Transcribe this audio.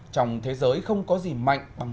trong thế giới không có gì mạnh bằng nhân dân